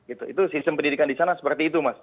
itu sistem pendidikan di sana seperti itu mas